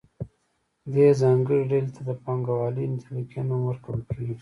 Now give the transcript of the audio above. دې ځانګړې ډلې ته د پانګوالې طبقې نوم ورکول کیږي.